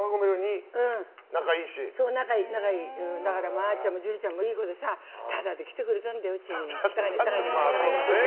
あーちゃんも樹里ちゃんもいい子でさタダで来てくれたんだよ、うちに。